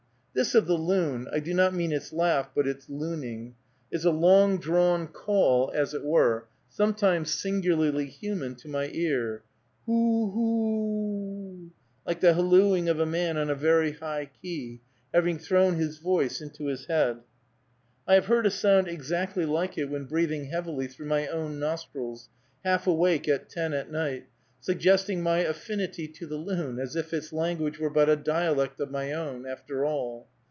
This of the loon I do not mean its laugh, but its looning, is a long drawn call, as it were, sometimes singularly human to my ear, hoo hoo ooooo, like the hallooing of a man on a very high key, having thrown his voice into his head. I have heard a sound exactly like it when breathing heavily through my own nostrils, half awake at ten at night, suggesting my affinity to the loon; as if its language were but a dialect of my own, after all.